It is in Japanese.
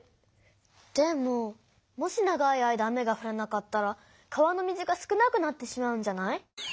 でももし長い間雨がふらなかったら川の水が少なくなってしまうんじゃない？